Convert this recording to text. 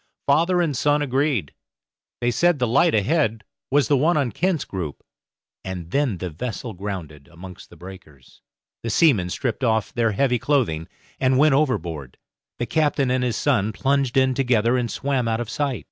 Father and son agreed; they said the light ahead was the one on Kent's Group, and then the vessel grounded amongst the breakers. The seamen stripped off their heavy clothing, and went overboard; the captain and his son plunged in together and swam out of sight.